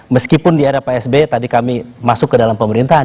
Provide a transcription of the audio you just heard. meskipun di era psb tadi kami masuk ke dalam pemerintahan